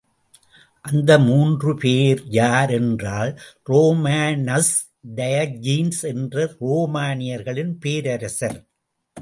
அந்த மூன்று பேரும் யார் என்றால், ரோமானஸ் டயஜீன்ஸ் என்ற ரோமானியர்களின் பேரரசர்.